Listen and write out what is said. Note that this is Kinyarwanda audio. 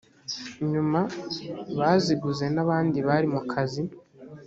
nyuma baziguze n’abandi bari mu kazi